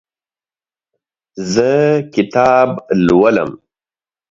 زه کتاب لولم.